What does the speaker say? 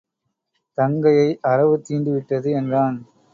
தங்கையை அரவு தீண்டிவிட்டது என்றான்.